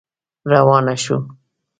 روانه شوه.